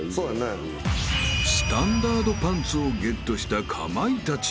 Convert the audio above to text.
［スタンダードパンツをゲットしたかまいたち］